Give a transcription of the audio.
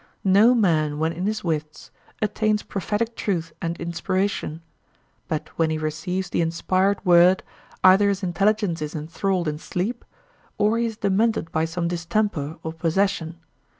No man, when in his wits, attains prophetic truth and inspiration; but when he receives the inspired word, either his intelligence is enthralled in sleep, or he is demented by some distemper or possession.